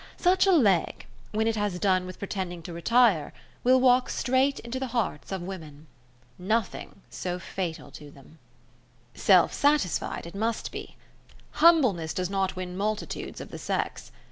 Such a leg, when it has done with pretending to retire, will walk straight into the hearts of women. Nothing so fatal to them. Self satisfied it must be. Humbleness does not win multitudes or the sex.